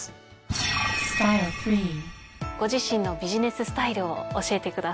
ご自身のビジネススタイルを教えてください。